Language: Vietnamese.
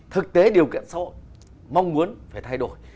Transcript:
thực tế điều kiện xã hội mong muốn phải thay đổi